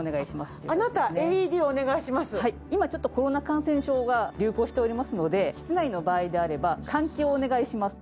今ちょっとコロナ感染症が流行しておりますので室内の場合であれば換気をお願いします。